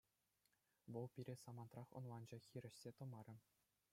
Вӑл пире самантрах ӑнланчӗ, хирӗҫсе тӑмарӗ.